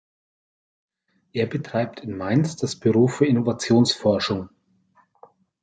Er betreibt in Mainz das Büro für Innovationsforschung.